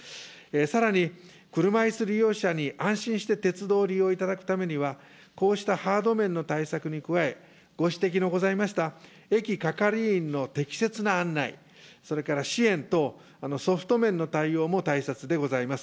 さらに車いす利用者に安心して鉄道を利用いただくためには、こうしたハード面の対策に加え、ご指摘のございました、駅係員の適切な案内、それから支援等、ソフト面の対応も大切でございます。